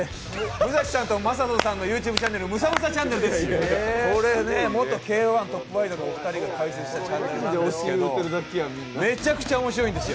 武蔵さんと魔裟斗さんのＹｏｕＴｕｂｅチャンネルムサマサチャンネルです。